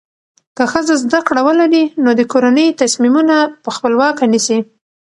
که ښځه زده کړه ولري، نو د کورنۍ تصمیمونه په خپلواکه نیسي.